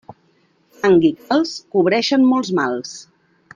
Fang i calç, cobreixen molts mals.